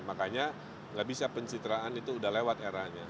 makanya nggak bisa pencitraan itu udah lewat eranya